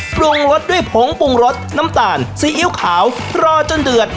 ปรุงรสด้วยผงปรุงรสน้ำตาลซีอิ๊วขาวรอจนเดือด